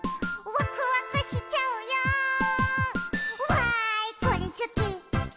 「わーいこれすき！